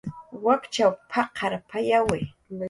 "Wakchaw p""aqarpayawi "